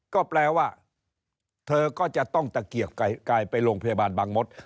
ก็แปลว่าเธอก็จะต้องตะเกียกกายไปโรงพยาบาลบางมศ